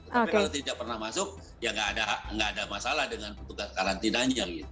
tapi kalau tidak pernah masuk ya nggak ada masalah dengan petugas karantinanya gitu